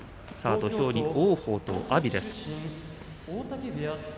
土俵は王鵬と阿炎です。